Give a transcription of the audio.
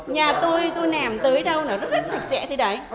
nhà tôi tôi nèm tới đâu nó rất rất sạch sẽ thế đấy